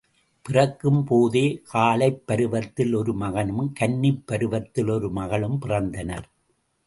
பிறக்கும் போதே காளைப் பருவத்தில் ஒரு மகனும் கன்னிப்பருவத்தில் ஒரு மகளும் பிறந்தனர்.